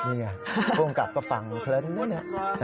นี่ภูมิกรับก็ฟังเคลิ้นด้วยน่ะ